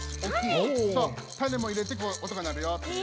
そうたねもいれておとがなるよっていう。